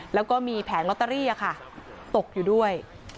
แล้วก็มีแผงลอตเตอรี่ตกอยู่ด้วย